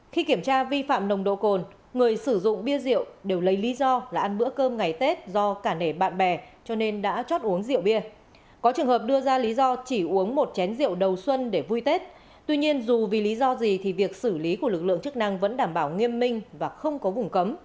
khi kiểm tra vi phạm nồng độ cồn người sử dụng bia rượu đều lấy lý do là ăn bữa cơm ngày tết do cả nể bạn bè cho nên đã chót uống rượu bia có trường hợp đưa ra lý do chỉ uống một chén rượu đầu xuân để vui tết tuy nhiên dù vì lý do gì thì việc xử lý của lực lượng chức năng vẫn đảm bảo nghiêm minh và không có vùng cấm